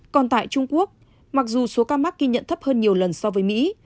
còn tại trung quốc mặc dù số ca mắc ghi nhận thấp hơn nhiều lần so với mỹ